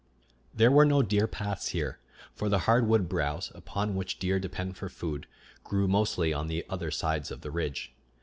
There were no deer paths here; for the hardwood browse, upon which deer depend for food, grew mostly on the other sides of the ridge.